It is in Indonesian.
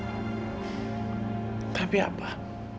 aku gak bisa berbicara